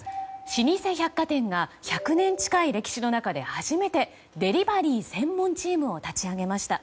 老舗百貨店が１００年近い歴史の中で初めてデリバリー専門チームを立ち上げました。